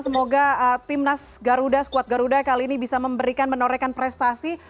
semoga timnas garuda skuad garuda kali ini bisa memberikan menorekan prestasi